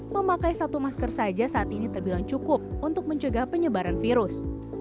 memakai satu masker saja saat ini terbilang cukup untuk mencegah penyebaran virus